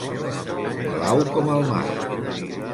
Blau com el mar.